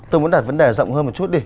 tôi muốn đặt vấn đề rộng hơn một chút đi